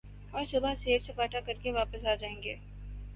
اور صبح سیر سپاٹا کر کے واپس آ جائیں گے ۔